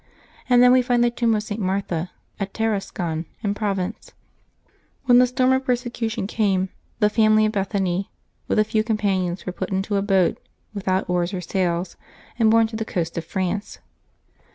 And then we find the tomb of St. Martha, at Tarascon, in Provence. Wlien the storm of persecution came, the family of Bethan)^, with a few com panions, were put into a boat, without oars or sail, and borne to the coast of France.